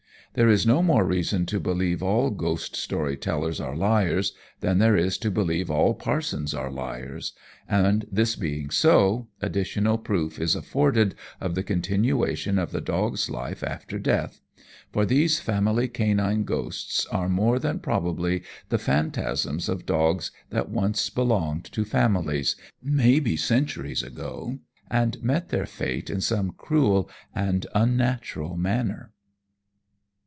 There is no more reason to believe all ghost story tellers are liars, than there is to believe all parsons are liars and this being so, additional proof is afforded of the continuation of the dog's life after death; for these family canine ghosts are more than probably the phantasms of dogs that once belonged to families maybe centuries ago and met their fate in some cruel and unnatural manner.